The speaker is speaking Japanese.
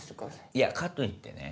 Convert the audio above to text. いやかといってね